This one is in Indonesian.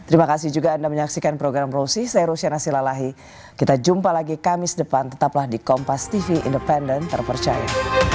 terima kasih juga anda menyaksikan program rosi saya rusia nasilalahi kita jumpa lagi kamis depan tetaplah di kompas tv independen terpercaya